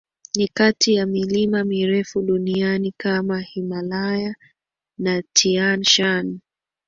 Ni kati ya milima mirefu duniani kama Himalaya na Tian Shan